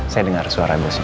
saya dengar suara bosnya